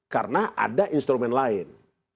karena ada instrumen lain